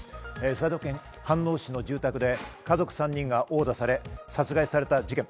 埼玉県飯能市の住宅で家族３人が殴打され、殺害された事件。